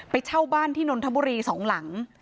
เช่าบ้านที่นนทบุรีสองหลัง